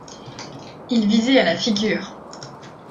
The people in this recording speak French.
Il visait à la figure.